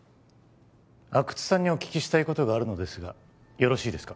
阿久津さんにお聞きしたいことがあるのですがよろしいですか？